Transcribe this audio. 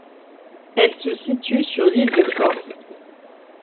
Elle se situe sur l'île de Föhr.